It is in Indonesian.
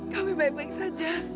kami baik baik saja